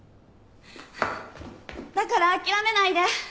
だから諦めないで。